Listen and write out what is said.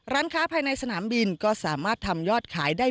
ร้านค้าภายในสนามบินก็สามารถทำยอดขายได้